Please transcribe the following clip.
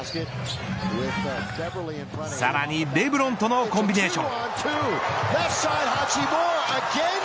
さらにレブロンとのコンビネーション。